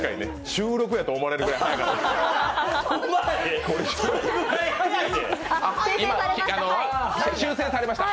収録やと思われるぐらい早かった。